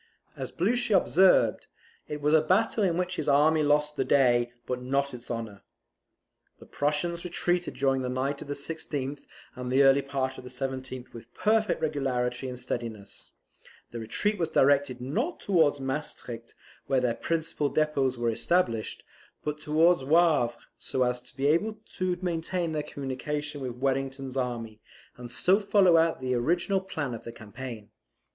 As Blucher observed, it was a battle in which his army lost the day but not its honour. The Prussians retreated during the night of the 16th, and the early part of the 17th, with perfect regularity and steadiness, The retreat was directed not towards Maestricht, where their principal depots were established, but towards Wavre, so as to be able to maintain their communication with Wellington's army, and still follow out the original plan of the campaign.